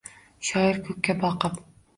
Shoir ko’kka boqib